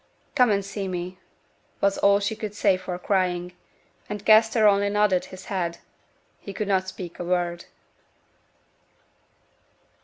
'Come and see me,' was all she could say for crying: and Kester only nodded his head he could not speak a word.